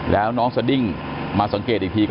แล้วน้องสดิ้งมาสังเกตอีกที